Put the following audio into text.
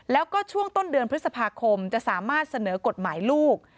แล้วก็ช่วงต้นเดือนพฤษภาคมจะสามารถเสนอกฎหมายลูก